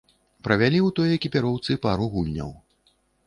Правялі ў той экіпіроўцы пару гульняў.